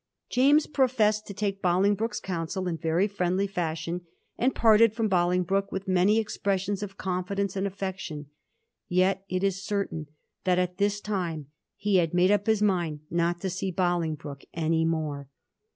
James professed to take Bolingbroke's counsel in very firiendly feshion, and parted from Bolingbroke with many expressions of confidence and affection. Yet it is certain that at this time he had made up his mind not to see Bolingbroke any more.